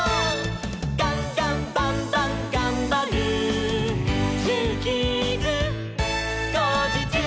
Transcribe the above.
「ガンガンバンバンがんばる」「ジューキーズ」「こうじちゅう！」